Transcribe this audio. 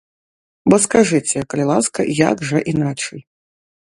Бо скажыце, калі ласка, як жа іначай.